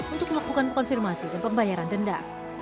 untuk melakukan konfirmasi dan pembayaran denda